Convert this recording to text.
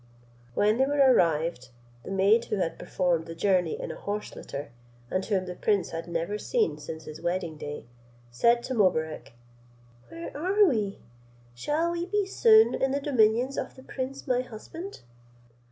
When they were arrived, the maid who had performed the journey in a horse litter, and whom the prince had never seen since his wedding day, said to Mobarec, "Where are we? Shall we be soon in the dominions of the prince my husband?"